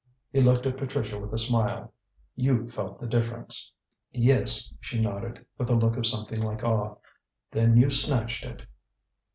He looked at Patricia with a smile. "You felt the difference." "Yes," she nodded, with a look of something like awe. "Then you snatched it."